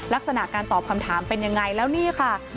ลักษณะการตอบคำถามเป็นยังไงแล้วนี่ค่ะ